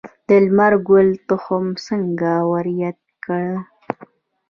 د لمر ګل تخم څنګه وریت کړم؟